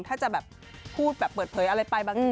ถ้าจะแบบพูดแบบเปิดเผยอะไรไปบางที